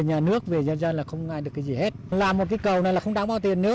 nhà nước về dân dân là không ai được cái gì hết làm một cái cầu này là không đáng bao tiền nếu